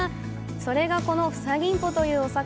それがこのフサギンポというお魚！